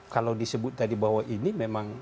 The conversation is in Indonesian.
kalau disebut tadi bahwa ini memang